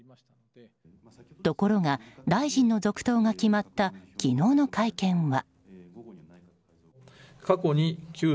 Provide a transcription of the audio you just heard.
ところが大臣の続投が決まった昨日の会見は。